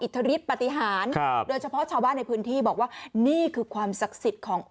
ทฤษปฏิหารครับโดยเฉพาะชาวบ้านในพื้นที่บอกว่านี่คือความศักดิ์สิทธิ์ของ